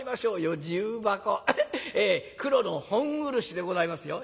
黒の本漆でございますよ。